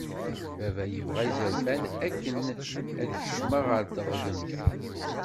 Baba yebɣa izerfan akken ad kecmeɣ ɣer teɣdemt.